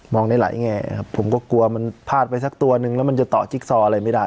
ได้หลายแง่ครับผมก็กลัวมันพลาดไปสักตัวนึงแล้วมันจะต่อจิ๊กซออะไรไม่ได้